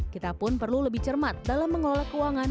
kita pun perlu lebih cermat dalam mengelola keuangan